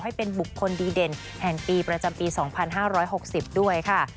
ให้เป็นบุคคลดีเด่นแห่งปีประจำปี๒๕๖๐ด้วยค่ะ